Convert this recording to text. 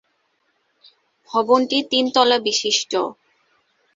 ভবনটি তিন তলা বিশিষ্ট।